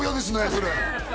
それ